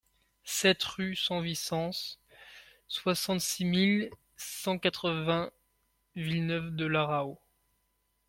sept rue San Vicens, soixante-six mille cent quatre-vingts Villeneuve-de-la-Raho